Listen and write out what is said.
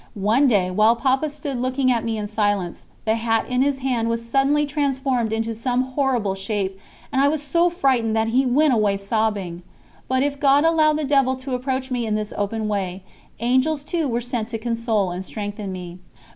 One day, while Papa stood looking at me in silence, the hat in his hand was suddenly transformed into some horrible shape, and I was so frightened that he went away sobbing. But if God allowed the devil to approach me in this open way, Angels too were sent to console and strengthen me.